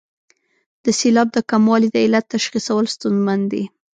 د سېلاب د کموالي د علت تشخیصول ستونزمن دي.